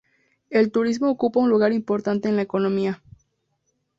El turismo ocupa un lugar importante en la economía.